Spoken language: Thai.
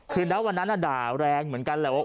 คืนน้ำมานั้นน่ะด่าแรงเหมือนกันแหละ